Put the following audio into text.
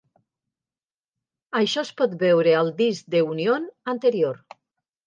Això es pot veure al disc de Union anterior.